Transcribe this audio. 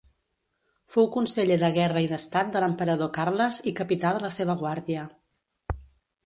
Fou conseller de guerra i d'estat de l'emperador Carles i capità de la seva guàrdia.